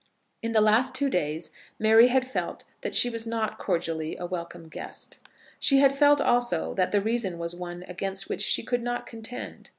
In the last two days Mary had felt that she was not cordially a welcome guest. She had felt also that the reason was one against which she could not contend.